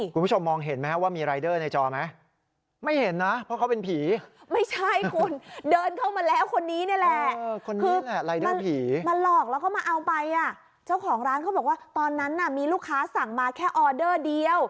คุณผู้ชมมองเห็นไหมครับว่ามีรายเดอร์ในจอไหมไม่เห็นนะเพราะเขาเป็นผีไม่ใช่คุณเดินเข้ามาแล้วคนนี้นี่แหละรายเดอร์ผีมาหลอกแล้วก็มาเอาไปอ่ะเจ้าของร้านเขาบอกว่าตอนนั้นน่ะมีลูกค้าสั่งมาแค่ออเดอร์เดียว